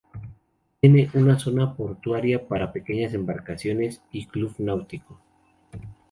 Tiene una zona portuaria para pequeñas embarcaciones y club náutico.